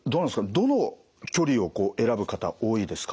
どの距離をこう選ぶ方多いですか？